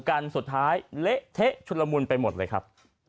กันสุดท้ายเละเทะชุดละมุนไปหมดเลยครับ